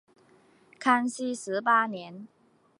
康熙十八年。